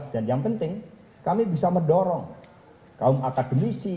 dan yang penting kami bisa mendorong kaum akademisi